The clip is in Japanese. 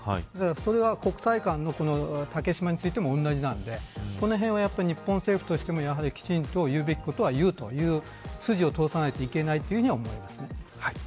それが国際間の竹島についても同じなのでこのへんは、日本政府としてもきちんと言うべきことは言うという筋を通さないといけないと思いますね。